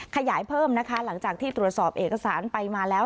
ขยายเพิ่มนะคะหลังจากที่ตรวจสอบเอกสารไปมาแล้ว